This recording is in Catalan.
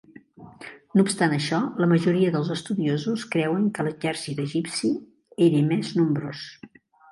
No obstant això, la majoria dels estudiosos creuen que l'exèrcit egipci era més nombrós.